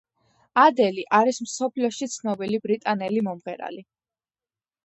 ადელი არის მსოფლიოში ცნობილი ბრიტანელი მომღერალი